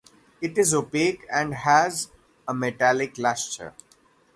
It is opaque and has a metallic luster.